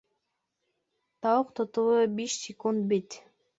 Тауыҡ тотоуы биш секунд бит!